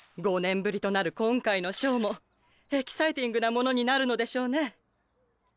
５年ぶりとなる今回のショーもエキサイティングなものになるのでしょうね。